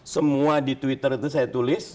semua di twitter itu saya tulis